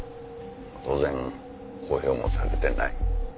当然公表もされてない。